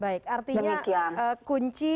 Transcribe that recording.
baik artinya kunci